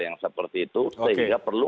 yang seperti itu sehingga perlu